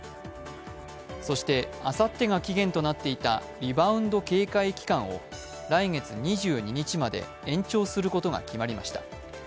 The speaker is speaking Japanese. そして、あさってが期限となっていたリバウンド警戒期間を来月２２日まで延長することが決まりました。